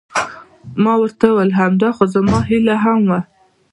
ما ورته وویل: همدا خو زما هیله هم وه.